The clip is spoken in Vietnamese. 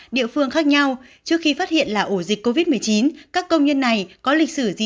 địa phương khác nhau trước khi phát hiện là ổ dịch covid một mươi chín các công nhân này có lịch sử gì